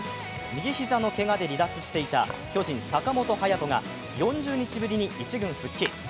右膝のけがで離脱していた巨人・坂本勇人が４０日ぶりに１軍復帰。